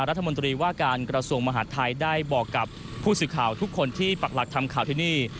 รัฐมนตรีว่าการกระทรวงมหาดไทยได้บอกกับผู้สื่อข่าวทุกคนที่ปักหลักทำข่าวที่นี่